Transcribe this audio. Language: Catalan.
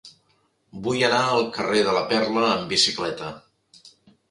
Vull anar al carrer de la Perla amb bicicleta.